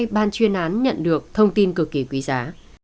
ban chuyên án nhận được thông tin cực kỳ quý giá